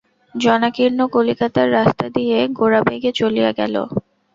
জনাকীর্ণ কলিকাতার রাস্তা দিয়া গোরা বেগে চলিয়া গেল।